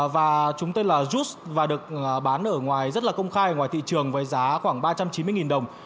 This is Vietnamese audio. và chúng tôi là just và được bán ở ngoài rất là công khai ngoài thị trường với giá khoảng ba trăm chín mươi đồng